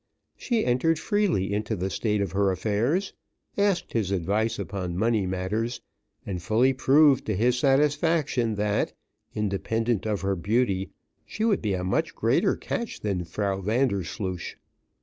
She entered freely into the state of her affairs, asked his advice upon money matters, and fully proved to his satisfaction that, independent of her beauty, she would be a much greater catch than Frau Vandersloosh.